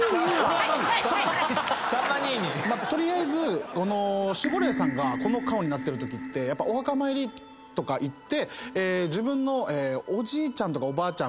取りあえず守護霊さんがこの顔になってるときってお墓参りとか行って自分のおじいちゃんとかおばあちゃん